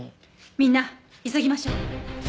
みんな急ぎましょう。